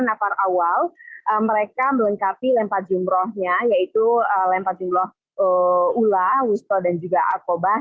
nafar awal mereka melengkapi lempar jumroh nya yaitu lempar jumlah oh ula wisto dan juga akobah